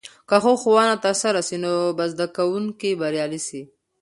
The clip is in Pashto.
که ښه ښوونه ترسره سي، نو به زده کونکي بريالي سي.